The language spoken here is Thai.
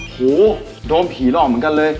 โหโดนผีหลอกเหมือนกันเลย